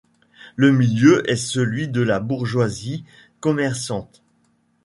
Le milieu est celui de la bourgeoisie commerçante.